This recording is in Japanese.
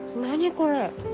これ。